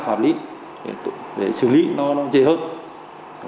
về việc xử lý hình ảnh